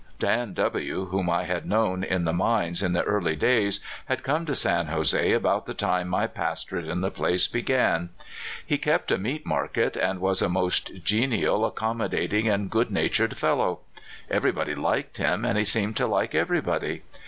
j)an W , whom I had known in the mines in the early days, had come to San Jose about the time my pastorate in the place began. He kept a meat market, and was a most genial, accom modating, and good natured fellow. Everybody liked him, and he seemed to like everybody.